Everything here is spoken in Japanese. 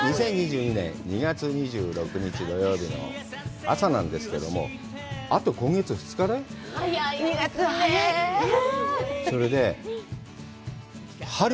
２０２２年２月２６日、土曜日の朝なんですけども、あと、今月、２日だよ。